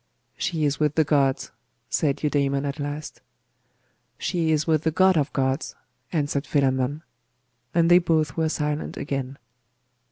'She is with the gods,' said Eudaimon at last. 'She is with the God of gods,' answered Philammon: and they both were silent again.